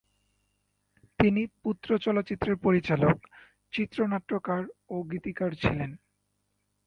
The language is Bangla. তিনি পুত্র চলচ্চিত্রের পরিচালক, চিত্রনাট্যকার ও গীতিকার ছিলেন।